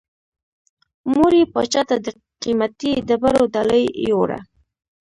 مور یې پاچا ته د قیمتي ډبرو ډالۍ یووړه.